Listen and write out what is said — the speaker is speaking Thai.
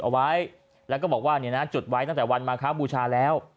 เอาไว้แล้วก็บอกว่าเนี่ยนะจุดไว้ตั้งแต่วันมาครับบูชาแล้ว